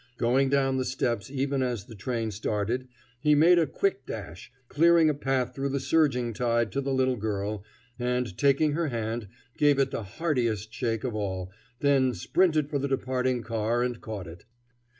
Going down the steps even as the train started, he made a quick dash, clearing a path through the surging tide to the little girl, and taking her hand, gave it the heartiest shake of all, then sprinted for the departing car and caught it.